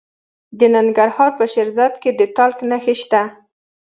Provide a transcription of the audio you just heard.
د ننګرهار په شیرزاد کې د تالک نښې شته.